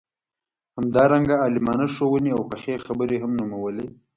همدارنګه عالمانه ښووني او پخې خبرې هم نومولې.